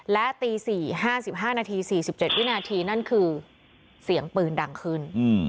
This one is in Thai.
และตี๔๕๕นาที๔๗วินาทีนั่นคือเสียงปืนดังขึ้น